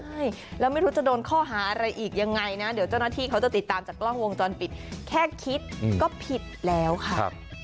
ใช่แล้วไม่รู้จะโดนข้อหาอะไรอีกยังไงนะเดี๋ยวเจ้าหน้าที่เขาจะติดตามจากกล้องวงจรปิดแค่คิดก็ผิดแล้วค่ะ